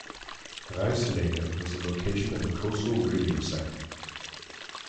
Ruiselede was the location of a coastal radio site.